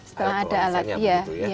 setelah ada alat ya